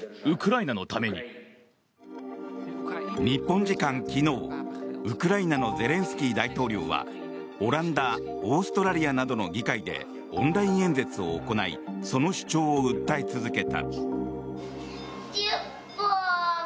日本時間昨日ウクライナのゼレンスキー大統領はオランダオーストラリアなどの議会でオンライン演説を行いその主張を訴え続けた。